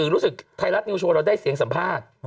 รู้สึกไทยรัฐนิวโชว์เราได้เสียงสัมภาษณ์